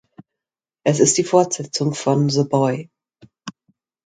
Es ist die Fortsetzung von "The Boy".